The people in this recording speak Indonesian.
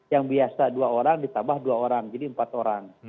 yang biasa dua orang ditambah dua orang jadi empat orang